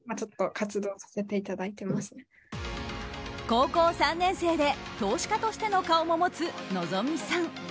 高校３年生で投資家としての顔も持つ望実さん。